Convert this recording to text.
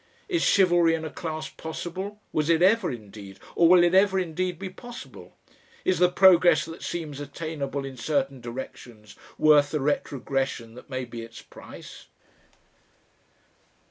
Is chivalry in a class possible? was it ever, indeed, or will it ever indeed be possible? Is the progress that seems attainable in certain directions worth the retrogression that may be its price?